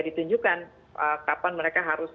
ditunjukkan kapan mereka harus